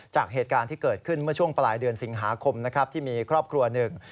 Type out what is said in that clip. จากเหตุการณ์ที่เกิดขึ้นเมื่อช่วงปลายเดือนสิงหาคมนะครับที่มีครอบครัวหนึ่ง